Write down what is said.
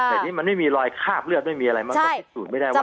แต่นี่มันไม่มีรอยคาบเลือดไม่มีอะไรมันก็พิสูจน์ไม่ได้ว่า